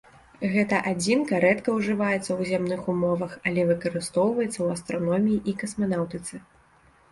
Гэта адзінка рэдка ўжываецца ў зямных умовах, але выкарыстоўваецца ў астраноміі і касманаўтыцы.